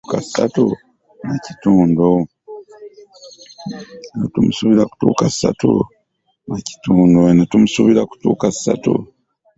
Eno tumusuubira kutuuka ssatu kitundu.